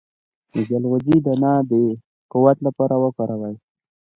د چلغوزي دانه د قوت لپاره وکاروئ